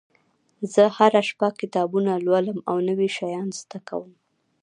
زه هره شپه کتابونه لولم او نوي شیان زده کوم